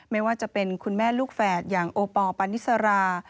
ไม่ว่าจะเป็นคุณแม่ลูกแฝดอย่างโอปอลปานิสรา